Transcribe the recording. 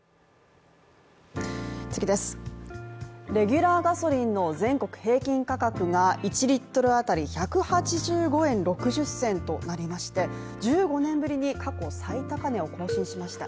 次です、レギュラーガソリンの全国平均価格が１リットル当たり１８５円６０銭となりまして１５年ぶりに過去最高値を更新しました。